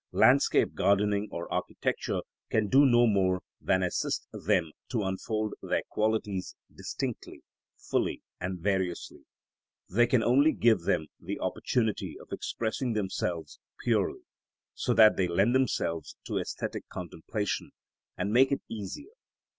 Landscape gardening or architecture can do no more than assist them to unfold their qualities distinctly, fully, and variously; they can only give them the opportunity of expressing themselves purely, so that they lend themselves to æsthetic contemplation and make it easier.